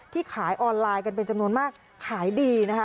ขายออนไลน์กันเป็นจำนวนมากขายดีนะคะ